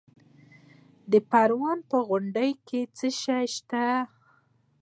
د پروان په غوربند کې څه شی شته؟